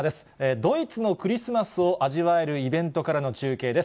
ドイツのクリスマスを味わえるイベントからの中継です。